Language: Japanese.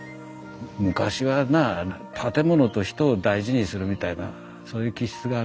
昔はな建物と人を大事にするみたいなそういう気質があるのかな。